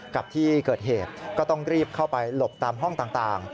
กับที่เกิดเหตุก็ต้องรีบเข้าไปหลบตามห้องต่าง